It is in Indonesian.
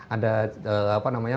ada apa namanya